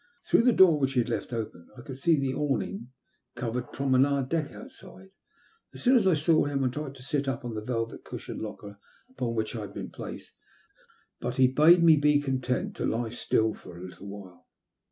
Through the door, which he had left open, I could see the awning covered promenade deck outside. As soon as I saw him I tried to sit up on the velvet cushioned locker upon which I had been placed, but he bade me be content to lie still for a little \Hiile.